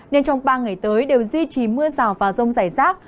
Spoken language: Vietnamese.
nên trong ba ngày tới đều duy trì mưa rào vào rông giải rác